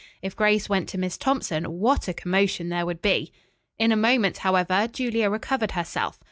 If Grace went to Miss Thompson what a commotion there would be! In a moment, however, Julia recovered herself.